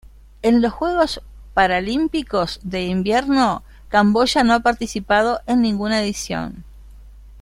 En los Juegos Paralímpicos de Invierno Camboya no ha participado en ninguna edición.